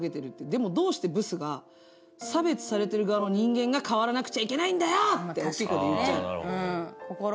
でもどうしてブスが、差別されている側の人間が変わらなくちゃいけないんだよって大きい声で言っちゃうの。